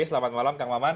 selamat malam kak maman